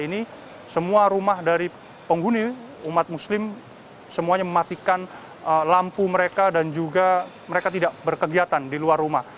ini semua rumah dari penghuni umat muslim semuanya mematikan lampu mereka dan juga mereka tidak berkegiatan di luar rumah